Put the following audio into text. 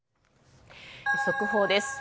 速報です。